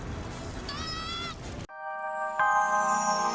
kan kita harus bersikap bergantung